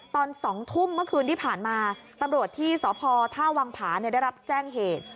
ตอน๒ทุ่มเมื่อคืนที่ผ่านมาตำรวจที่สพท่าวังผาได้รับแจ้งเหตุ